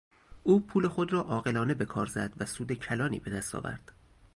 او پول خود را عاقلانه به کار زد و سود کلانی به دست آورد.